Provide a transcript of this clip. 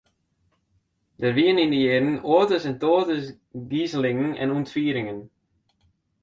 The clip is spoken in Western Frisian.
Der wiene yn dy jierren oates en toates gizelingen en ûntfieringen.